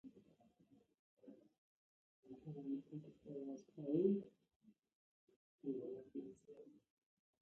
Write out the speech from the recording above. The couple has eight children, three of them together.